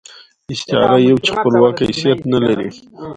استعاره يو چې خپلواک حيثيت نه لري.